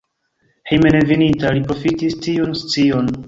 Hejmenveninta li profitis tiun scion.